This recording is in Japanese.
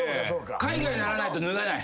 海外にならないと脱がない？